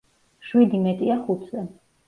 შვიდი მეტია ხუთზე.